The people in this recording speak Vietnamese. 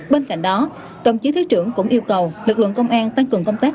bên cạnh đó đồng chí thứ trưởng cũng yêu cầu lực lượng công an tăng cường công tác